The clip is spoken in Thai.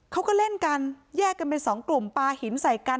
เขาก็เล่นกันแยกกันเป็นสองกลุ่มปลาหินใส่กัน